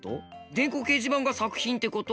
電光掲示板が作品ってこと？